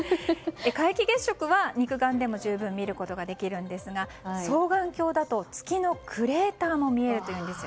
皆既月食は肉眼でも十分見ることができますが双眼鏡だと月のクレーターも見えるというんです。